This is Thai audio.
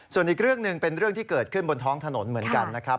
ส่วนอีกเรื่องหนึ่งเป็นเรื่องที่เกิดขึ้นบนท้องถนนเหมือนกันนะครับ